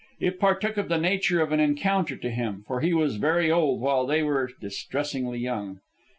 It partook of the nature of an encounter, to him, for he was very old, while they were distressingly young.